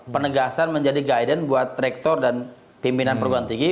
penegasan menjadi guidance buat rektor dan pimpinan perguruan tinggi